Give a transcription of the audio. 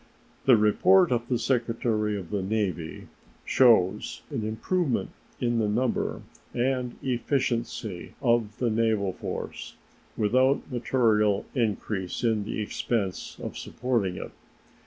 The report of the Secretary of the Navy shows an improvement in the number and efficiency of the naval force, without material increase in the expense of supporting it.